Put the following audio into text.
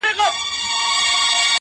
• ته زموږ زړونه را سپين غوندي کړه،